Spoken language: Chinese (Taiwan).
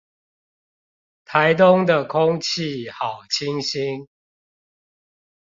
台東的空氣好清新